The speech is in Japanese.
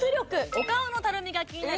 お顔のたるみが気になる